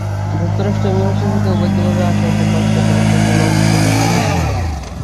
যুক্তরাষ্ট্রে অভিবাসী হতে অবৈধভাবে আসা এসব মানুষকে ফেরত পাঠানোর ঘটনা নিয়মিত ঘটছে।